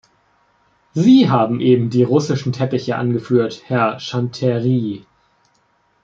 Sie haben eben die russischen Teppiche angeführt, Herr Chanterie.